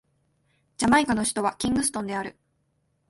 ジャマイカの首都はキングストンである